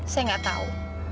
saya gak tahu